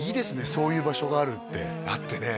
そういう場所があるってだってね